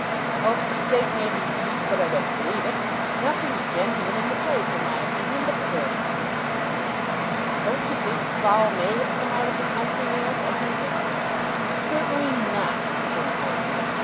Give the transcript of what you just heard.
I hope the steak may be beef, but I don't believe it. Nothing's genuine in the place, in my opinion, but the dirt.' 'Don't you think the fowl may have come out of the country, aunt?' I hinted. 'Certainly not,' returned my aunt.